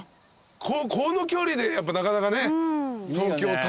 この距離でやっぱなかなかね東京タワーは。